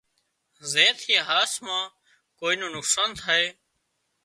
زين ٿي هاس مان ڪوئي نُون نقصان ٿائي